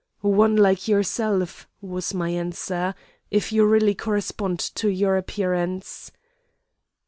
"'One like yourself,' was my answer, 'if you really correspond to your appearance.